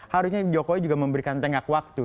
harusnya jokowi juga memberikan tengah waktu